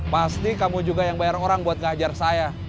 pasti kamu juga yang bayar orang buat ngajar saya